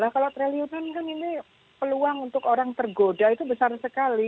kalau triliunan kan ini peluang untuk orang tergoda itu besar sekali